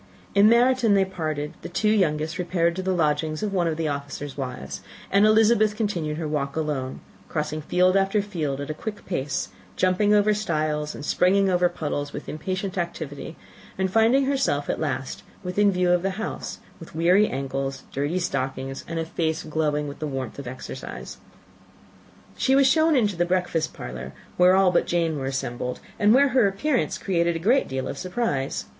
In Meryton they parted: the two youngest repaired to the lodgings of one of the officers' wives, and Elizabeth continued her walk alone, crossing field after field at a quick pace, jumping over stiles and springing over puddles, with impatient activity, and finding herself at last within view of the house, with weary ancles, dirty stockings, and a face glowing with the warmth of exercise. She was shown into the breakfast parlour, where all but Jane were assembled, and where her appearance created a great deal of surprise.